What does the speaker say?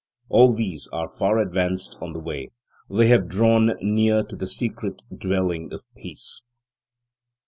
All these are far advanced on the way; they have drawn near to the secret dwelling of peace.